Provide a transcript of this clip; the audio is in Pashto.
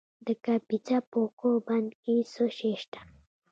د کاپیسا په کوه بند کې څه شی شته؟